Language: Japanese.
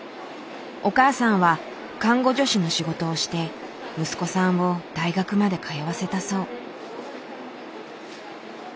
お母さんは看護助手の仕事をして息子さんを大学まで通わせたそう。